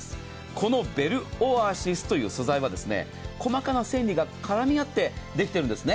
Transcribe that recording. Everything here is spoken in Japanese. このベルオアシスという素材は細かな繊維が絡み合ってできているんですね。